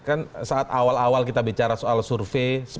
kan saat awal awal kita bicara soal survei